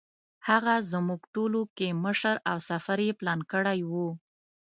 هغه زموږ ټولو کې مشر او سفر یې پلان کړی و.